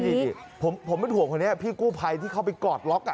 นี่ผมผมไม่ถ่วงคนนี้อ่ะพี่กู้ภัยที่เข้าไปกอดล็อกอ่ะ